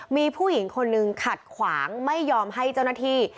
มีผู้หญิงคนนึงขัดขวางไม่ยอมให้เจ้าหน้าที่